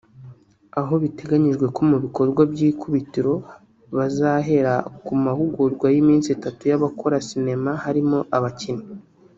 Aho biteganyijwe ko mu bikorwa by'ikubitiro bazahera ku mahugurwa y'iminsi itatu y'abakora sinema harimo abakinnyi